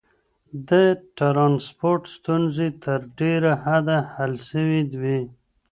د ترانسپورت ستونزي تر ډيره حده حل سوي وې.